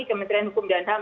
kementerian hukum dan ham